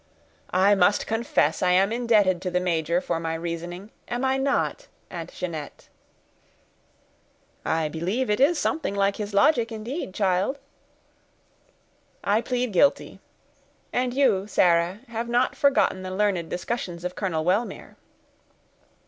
"I must confess I am indebted to the major for my reasoning—am I not, Aunt Jeanette?" "I believe it is something like his logic, indeed, child." "I plead guilty; and you. Sarah, have not forgotten the learned discussions of Colonel Wellmere."